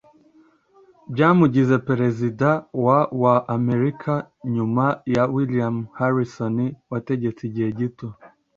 byamugize perezida wa wa Amerika nyuma ya William Harrison wategetse igihe gito